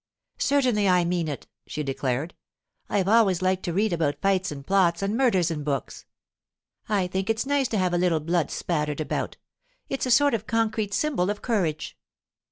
'Certainly I mean it,' she declared. 'I've always liked to read about fights and plots and murders in books. I think it's nice to have a little blood spattered about. It's a sort of concrete symbol of courage.